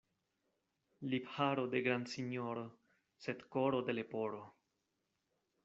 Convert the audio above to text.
Lipharo de grandsinjoro, sed koro de leporo.